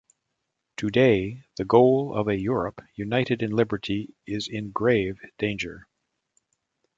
Today, the goal of a Europe united in liberty is in grave danger.